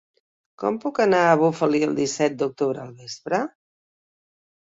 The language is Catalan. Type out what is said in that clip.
Com puc anar a Bufali el disset d'octubre al vespre?